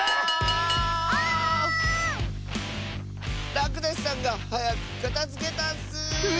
らくだしさんがはやくかたづけたッス！